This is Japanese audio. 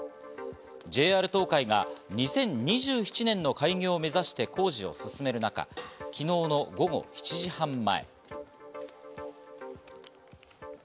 ＪＲ東海が２０２７年の開業を目指して工事を進める中、昨日の午後７時半前。